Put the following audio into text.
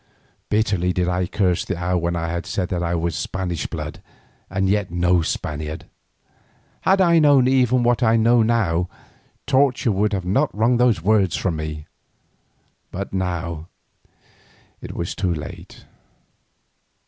Bitterly did I curse the hour when I had said that I was of the Spanish blood and yet no Spaniard. Had I known even what I knew that day, torture would not have wrung those words from me. But now it was too late.